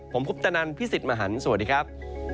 ผมคุปตะนันพี่สิทธิ์มหันฯสวัสดีครับ